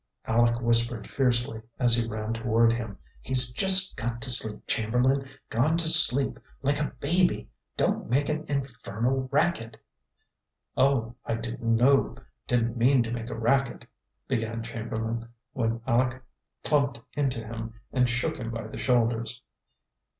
Aleck whispered fiercely, as he ran toward him. "He's just got to sleep, Chamberlain; gone to sleep, like a baby. Don't make an infernal racket!" "Oh, I didn't know. Didn't mean to make a racket," began Chamberlain, when Aleck plumped into him and shook him by the shoulders.